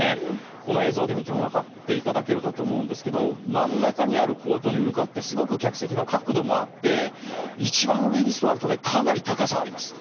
この映像で見てもわかって頂けるかと思うんですけど真ん中にあるコートに向かってすごく客席の角度もあって一番上に座るとねかなり高さあります。